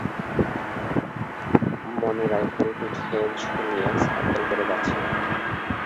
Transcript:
মনি rifle পিঠে ঝুলিয়ে cycle করে যাচ্ছিল।